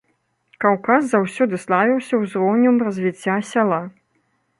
Каўказ заўсёды славіўся узроўнем развіцця сяла.